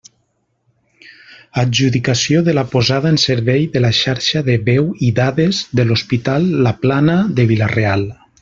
Adjudicació de la posada en servei de la xarxa de veu i dades de l'Hospital La Plana de Vila-real.